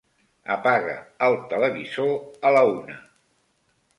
Apaga el televisor a la una.